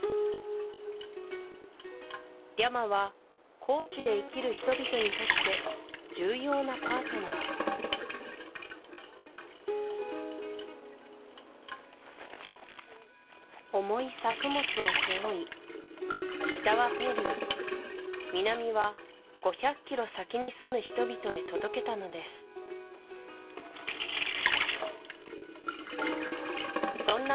リャマは高地で生きる人々にとって重要なパートナー重い作物を背負い北はペルー南は５００キロ先に住む人々へ届けたのですそんな